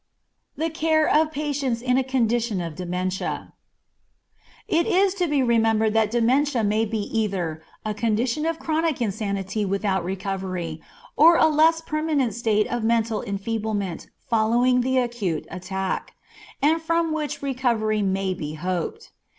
The Care of Patients in a Condition of Dementia. It is to be remembered that dementia may be either, a condition of chronic insanity without recovery, or a less permanent state of mental enfeeblement following the acute attack, and from which recovery may be hoped.